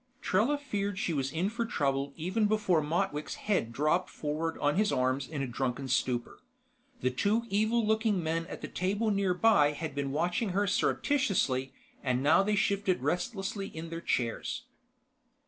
Trella feared she was in for trouble even before Motwick's head dropped forward on his arms in a drunken stupor. The two evil looking men at the table nearby had been watching her surreptitiously, and now they shifted restlessly in their chairs.